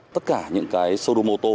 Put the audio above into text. tất cả những cái showroom ô tô